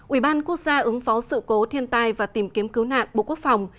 ubnd quốc gia ứng phó sự cố thiên tai và tìm kiếm cứu nạn bộ quốc phòng